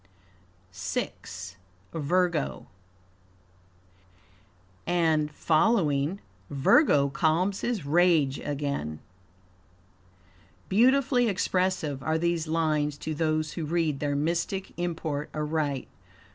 VI. Virgo "And following Virgo calms his rage again." Beautifully expressive are these lines to those who read their mystic import aright.